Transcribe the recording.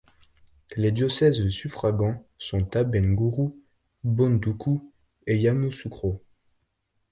Les diocèses suffragants sont Abengourou, Bondoukou et Yamoussoukro.